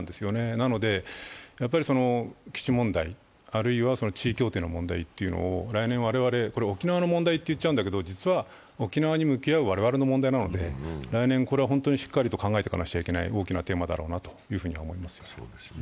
なので基地問題、あるいは地位協定の問題というのを、来年、我々、これは沖縄の問題と言っちゃうんだけど、実は沖縄に向き合う我々の問題なので来年、これは本当にしっかり考えていかなければならない大きなテーマだろうなと思います。